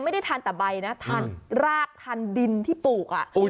ไม่ได้ทานแต่ใบนะทานรากทานดินที่ปลูก